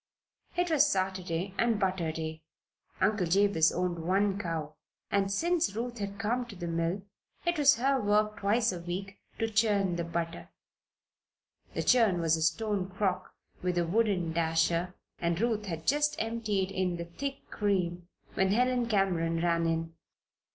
It was Saturday, and butter day. Uncle Jabez owned one cow, and since Ruth had come to the mill it was her work twice a week to churn the butter. The churn was a stone crock with a wooden dasher and Ruth had just emptied in the thick cream when Helen Cameron ran in.